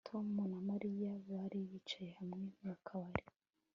Tom na Mariya bari bicaye hamwe mu kabari